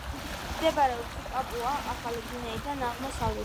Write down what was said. მდებარეობს პაპუა-ახალი გვინეიდან აღმოსავლეთით.